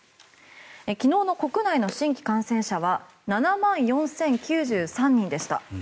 昨日の国内の新規感染者は７万４０９３人でした。